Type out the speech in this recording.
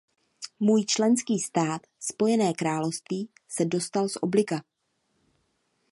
Můj členský stát, Spojené království, se dostal z obliga.